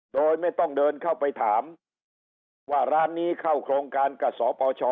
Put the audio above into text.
โดยไม่ต้องเดินเข้าไปถามว่าร้านนี้เข้าโครงการกับสปช